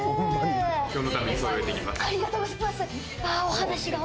今日のために、そろえてきました。